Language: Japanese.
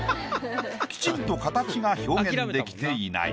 きちんと形が表現できていない。